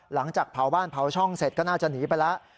หลังจากเผาบ้านเผาช่องเสร็จก็น่าจะหนีไปแล้ว